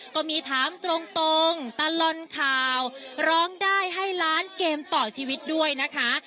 ก็มีถามตรงตลอดข่าวร้องได้ให้ล้านเกมต่อชีวิตด้วยนะคะ